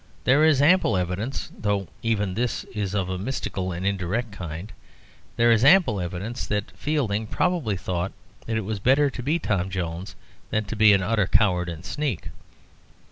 There is ample evidence (though even this is of a mystical and indirect kind), there is ample evidence that Fielding probably thought that it was better to be Tom Jones than to be an utter coward and sneak.